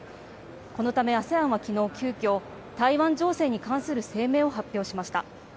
このためＡＳＥＡＮは昨日、急きょ台湾情勢に関する声明を発表しました。